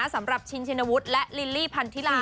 สำหรับชินชินวุฒิและลิลลี่พันธิลา